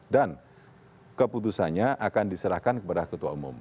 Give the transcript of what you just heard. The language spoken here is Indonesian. dan keputusannya akan diserahkan kepada ketua umum